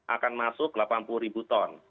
akan masuk delapan puluh ribu ton